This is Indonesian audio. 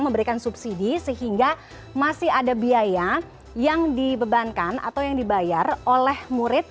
memberikan subsidi sehingga masih ada biaya yang dibebankan atau yang dibayar oleh murid